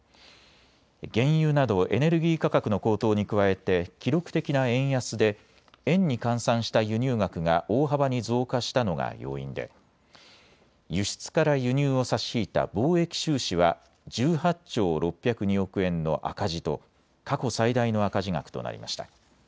原油などエネルギー価格の高騰に加えて記録的な円安で円に換算した輸入額が大幅に増加したのが要因で輸出から輸入を差し引いた貿易収支は１８兆６０２億円の赤字と過去最大の赤字額となりました。